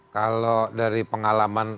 kalau dari pengalaman